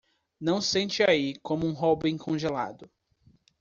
Não sente aí como um robin congelado.